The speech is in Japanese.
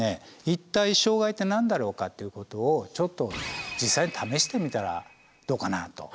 一体障害って何だろうかっていうことをちょっと実際に試してみたらどうかなと。